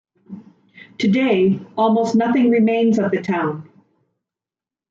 Today, almost nothing remains of the town.